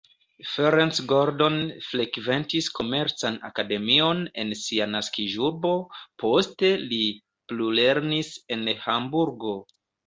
Ferenc Gordon frekventis komercan akademion en sia naskiĝurbo, poste li plulernis en Hamburgo.